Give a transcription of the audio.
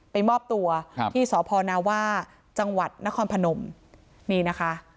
มอบตัวครับที่สพนาว่าจังหวัดนครพนมนี่นะคะ